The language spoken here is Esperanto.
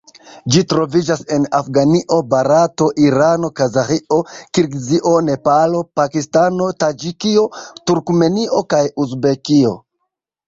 Ĝi troviĝas en Afganio, Barato, Irano, Kazaĥio, Kirgizio, Nepalo, Pakistano, Taĝikio, Turkmenio kaj Uzbekio.